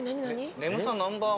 「眠さナンバー